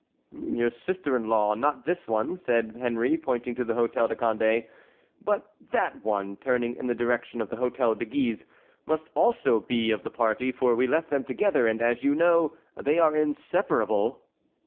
"Your sister in law, not this one," said Henry, pointing to the Hôtel de Condé, "but that one," turning in the direction of the Hôtel de Guise, "must also be of the party, for we left them together, and, as you know, they are inseparable."